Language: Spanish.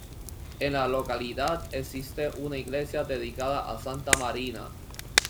En la localidad existe una iglesia dedicada a Santa Marina.